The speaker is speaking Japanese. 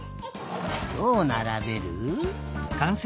どうならべる？